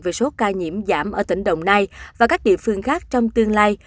về số ca nhiễm giảm ở tỉnh đồng nai và các địa phương khác trong tương lai